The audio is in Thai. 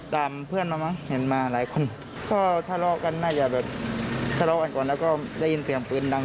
ตอนนี้